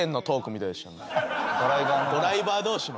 ドライバーの。